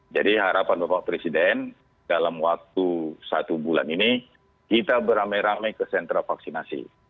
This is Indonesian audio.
jadi harapan bapak presiden dalam waktu satu bulan ini kita beramai ramai ke sentra vaksinasi